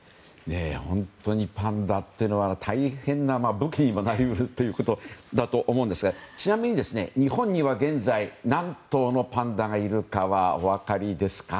本当にパンダというのは大変な武器にもなり得るということだと思うんですがちなみに、日本には現在何頭のパンダがいるかお分かりですか？